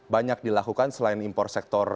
banyak dilakukan selain impor sektor